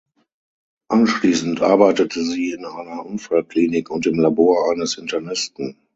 Anschließend arbeitete sie in einer Unfallklinik und im Labor eines Internisten.